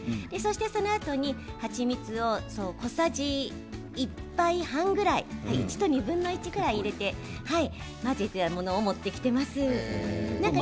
そのあとに蜂蜜を小さじ１杯半くらい、１と２分の１ぐらい入れて混ぜたものを持ってきています。